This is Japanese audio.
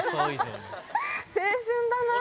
青春だなぁ！